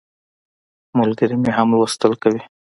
ملګری مې هم لوستل کوي.